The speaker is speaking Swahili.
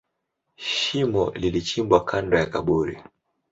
Shimo lilichimbwa kando ya kaburi.